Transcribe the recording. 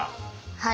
はい。